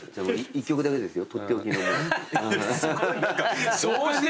１曲だけですよ。